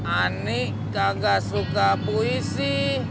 ani kagak suka puisi